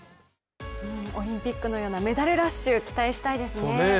オリンピックのようなメダルラッシュ期待したいですね。